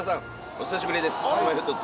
お久しぶりです。